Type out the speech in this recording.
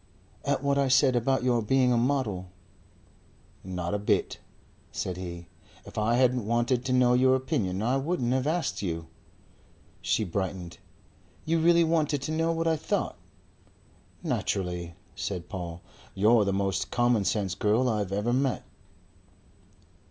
"At what I said about your being a model." "Not a bit," said he. "If I hadn't wanted to know your opinion, I wouldn't have asked you." She brightened. "You really wanted to know what I thought?" "Naturally," said Paul. "You're the most commonsense girl I've ever met."